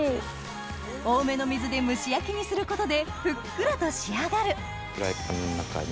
多めの水で蒸し焼きにすることでふっくらと仕上がるフライパンの中に。